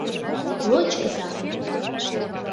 — Лочкыза!